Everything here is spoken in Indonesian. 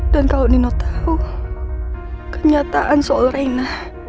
dan kalo nino tau kenyataan soal reyna